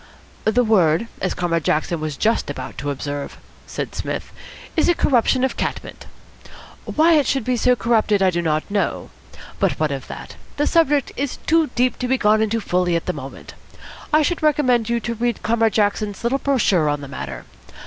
"The word, as Comrade Jackson was just about to observe," said Psmith, "is a corruption of cat mint. Why it should be so corrupted I do not know. But what of that? The subject is too deep to be gone fully into at the moment. I should recommend you to read Comrade Jackson's little brochure on the matter.